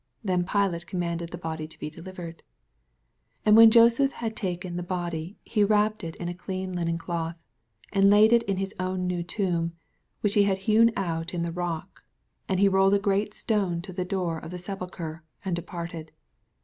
Then Piiate com manded the body to be delivered. 69 And when Joseph had taken the N>dv, he wrapped it in a dean linen doth, 60 And Ifud it in his own new tomb, which he bad hewn out in the rock : and he rolled a great stone to the door of the sepulchre, and departed.